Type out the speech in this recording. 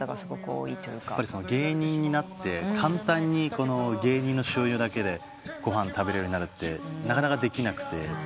芸人になって簡単に芸人の収入だけでご飯食べられるようになるってなかなかできなくて。